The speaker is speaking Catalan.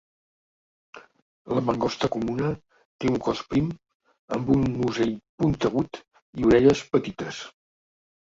La mangosta comuna té un cos prim, amb un musell puntegut i orelles petites.